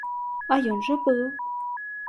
А ён жа быў.